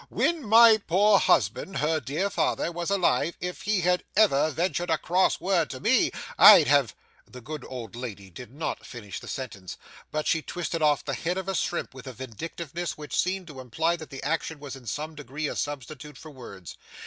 'When my poor husband, her dear father, was alive, if he had ever ventured a cross word to me, I'd have ' The good old lady did not finish the sentence, but she twisted off the head of a shrimp with a vindictiveness which seemed to imply that the action was in some degree a substitute for words.